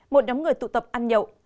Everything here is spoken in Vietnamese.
một nhóm người tụ tập ăn nhậu